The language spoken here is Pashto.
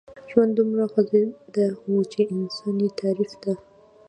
ژوند دومره خوځنده و چې انسان يې تعريف ته.